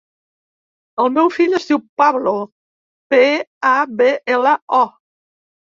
El meu fill es diu Pablo: pe, a, be, ela, o.